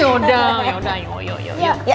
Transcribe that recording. yaudah yaudah yuk yuk yuk